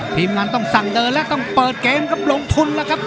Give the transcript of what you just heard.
ทีมงานต้องสั่งเดินแล้วต้องเปิดเกมครับลงทุนแล้วครับ